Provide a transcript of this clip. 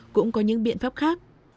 cũng có những biện pháp khác